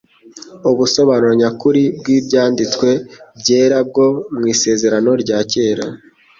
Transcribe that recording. Ubusobanuro nyakuri bw'Ibyanditswe byera bwo mu Isezerano rya Kera